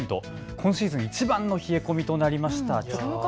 今シーズンいちばんの冷え込みとなりました。